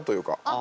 あ。